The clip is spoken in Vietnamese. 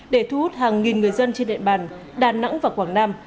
để thu hút hàng nghìn người dân trên địa bàn đà nẵng và quảng nam